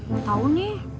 gak tau nih